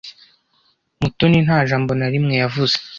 Mutoni nta jambo na rimwe yavuze.